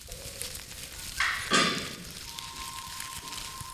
O rok později skončila třetí.